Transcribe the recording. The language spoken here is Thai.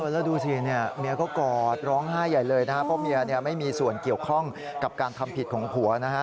แล้วดูดิแม่ก็กอดร้องไห้ใหญ่เลยนะคะ